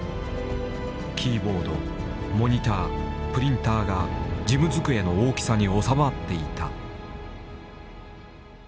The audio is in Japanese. キーボードモニタープリンターが事務机の大きさに収まっていた。